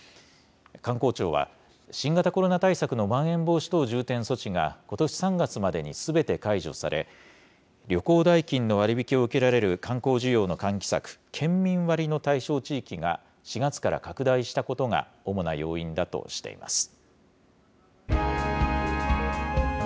観光庁は、新型コロナ対策のまん延防止等重点措置が、ことし３月までにすべて解除され、旅行代金の割引を受けられる観光需要の喚起策、県民割の対象地域が４月から拡大したことが主な要因だとしています。